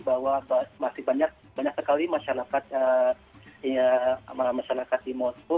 bahwa masih banyak sekali masyarakat di moskow